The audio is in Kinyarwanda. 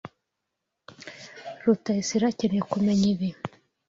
Rutayisire akeneye kumenya ibi.